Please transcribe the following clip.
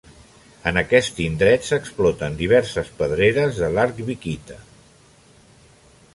En aquest indret s'exploten diverses pedreres de larvikita.